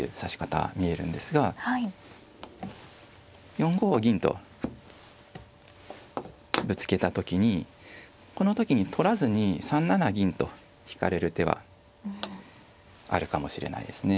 ４五銀とぶつけた時にこの時に取らずに３七銀と引かれる手はあるかもしれないですね。